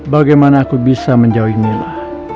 bagaimana aku bisa menjauhi mila